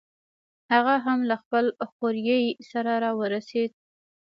هغه هم له خپل خوریي سره راورسېد.